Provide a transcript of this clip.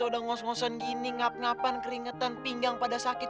dan sampai dia lupa ingatan